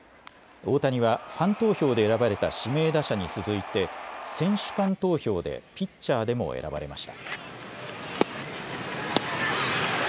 大谷はファン投票で選ばれた指名打者に続いて選手間投票でピッチャーでも選ばれました。